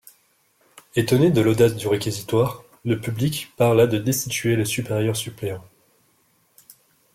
Étonné de l’audace du réquisitoire, le public parla de destituer le supérieur-suppléant.